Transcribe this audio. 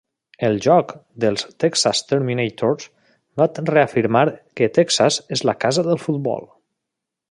El joc dels Texas Terminators va reafirmar que Texas és la casa del futbol.